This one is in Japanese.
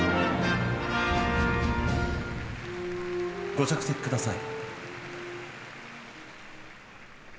ご着席ください。